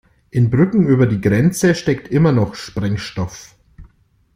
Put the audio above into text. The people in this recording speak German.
In Brücken über die Grenze steckt immer noch Sprengstoff.